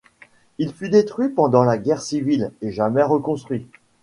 Il fut détruit pendant la guerre civile et jamais reconstruit.